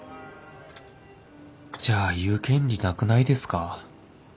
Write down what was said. じゃあ言う権利なくないですか？